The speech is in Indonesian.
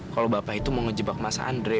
kalau bapak itu mau ngejebak mas andre